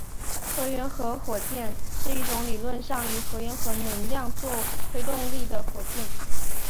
核融合火箭是一种理论上以核融合能量作为推动力的火箭。